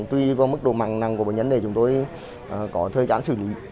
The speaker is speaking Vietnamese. tuy vào mức độ mặn nặng của bệnh nhân này chúng tôi có thời gian xử lý